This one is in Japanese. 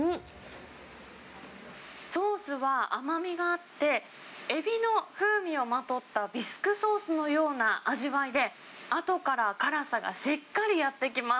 ソースは甘みがあって、エビの風味をまとったビスクソースのような味わいで、あとから辛さがしっかりやって来ます。